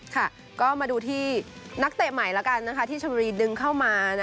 ค่ะก็มาดูที่นักเตะใหม่แล้วกันที่ชนบุรีดึงเข้ามา